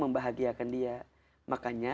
membahagiakan dia makanya